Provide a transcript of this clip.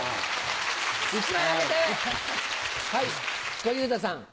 小遊三さん。